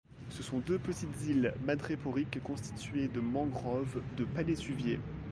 Ce sont deux petites îles madréporiques constituées de mangroves de palétuviers.